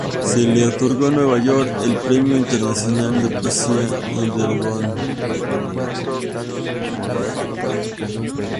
Se le otorgó en Nueva York el premio internacional de Poesía Underground.